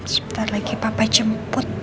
sebentar lagi papa jemput